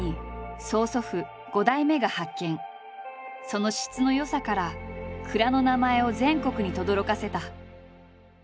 その質の良さから蔵の名前を全国にとどろかせた。